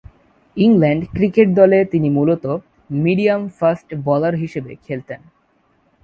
England cricket দলে তিনি মূলতঃ মিডিয়াম-ফাস্ট বোলার হিসেবে খেলতেন।